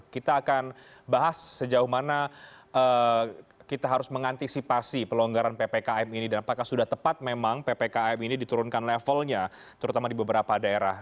kita akan bahas sejauh mana kita harus mengantisipasi pelonggaran ppkm ini dan apakah sudah tepat memang ppkm ini diturunkan levelnya terutama di beberapa daerah